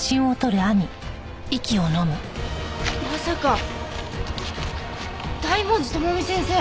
まさか大文字智美先生。